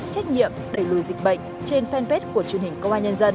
trách nhiệm đẩy lùi dịch bệnh trên fanpage của truyền hình công an nhân dân